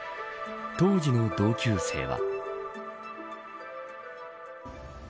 当時の同級生は。